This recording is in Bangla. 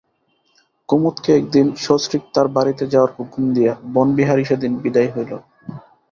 কুমুদকে একদিন সন্ত্রীক তার বাড়িতে যাওয়ার হুকুম দিয়া বনবিহারী সেদিন বিদায় হইল।